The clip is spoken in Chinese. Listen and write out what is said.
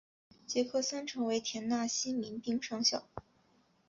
杰克森成为田纳西民兵上校。